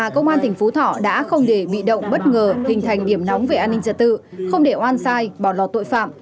công an tỉnh phú thọ đã không để bị động bất ngờ hình thành điểm nóng về an ninh trật tự không để oan sai bỏ lọt tội phạm